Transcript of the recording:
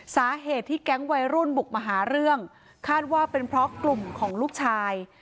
สาเหตุที่แก๊งวัยรุ่นบุกมาหาเรื่องคาดว่าเป็นเพราะกลุ่มของลูกชาย